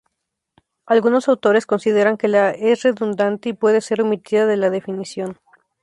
Algunos autores consideran que la es redundante y puede ser omitida de la definición.